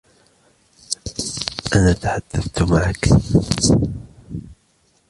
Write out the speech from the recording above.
أنا تحدثت معك.